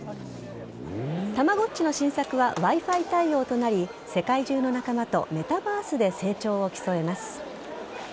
たまごっちの新作はＷｉ‐Ｆｉ対応となり世界中の仲間とメタバースで成長を競えます。